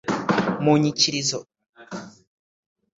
mu nyikirizo